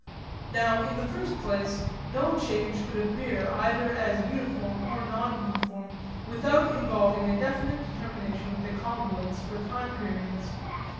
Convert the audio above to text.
Now in the first place no change could appear either as uniform or non uniform without involving a definite determination of the congruence for time periods.